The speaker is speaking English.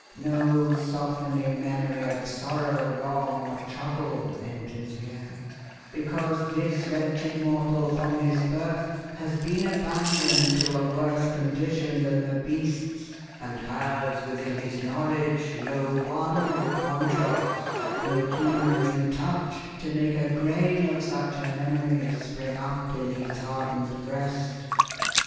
No softening memory of sorrow, wrong, or trouble enters here, because this wretched mortal from his birth has been aban doned to a worse condition than the beasts, and has, within his knowledge, no one contrast, no humanising touch, to make a grain of such a memory spring up in his hardened breast.